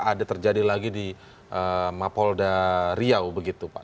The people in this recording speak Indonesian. ada terjadi lagi di mapolda riau begitu pak